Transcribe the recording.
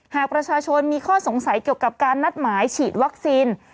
หากประชาชนมีข้อสงสัยเกี่ยวกับการนัดหมายฉีดวัคซีน